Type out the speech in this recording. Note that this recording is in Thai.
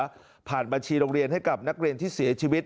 บริจาคเงินช่วยเหลือผ่านบัญชีโรงเรียนให้กับนักเรียนที่เสียชีวิต